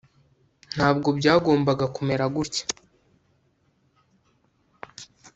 ntabwo byagombaga kumera gutya